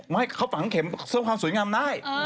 ไม่เขาฝังเข็มเพื่อความสวยงามได้